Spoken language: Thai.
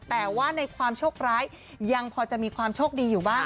แต่ว่าในความโชคร้ายยังพอจะมีความโชคดีอยู่บ้าง